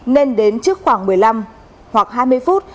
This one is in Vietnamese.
nên đến trước khoảng một mươi năm hoặc hai mươi phút